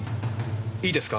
いいですか？